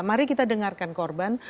mari kita dengarkan korban